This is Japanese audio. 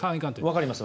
わかります。